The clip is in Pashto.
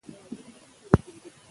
دا ازادي موږ ته په میراث پاتې ده.